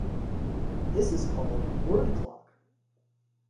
This is called word clock.